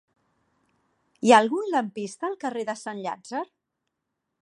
Hi ha algun lampista al carrer de Sant Llàtzer?